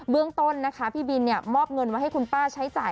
เรื่องต้นนะคะพี่บินมอบเงินไว้ให้คุณป้าใช้จ่าย